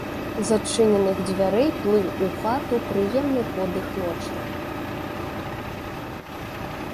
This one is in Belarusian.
З адчыненых дзвярэй плыў у хату прыемны подых ночы.